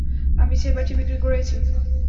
আমি সেবাটি বিক্রি করেছি।